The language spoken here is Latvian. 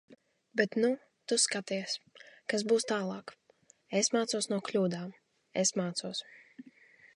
Bet nu, tu skaties... kas būs tālāk... Es mācos no kļūdām. Es mācos.